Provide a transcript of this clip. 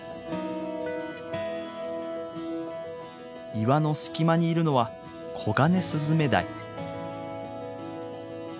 岩の隙間にいるのはコガネスズメダイ。